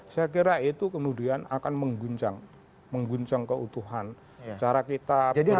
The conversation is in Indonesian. saya kira itu kemudian akan mengguncang keutuhan cara kita punya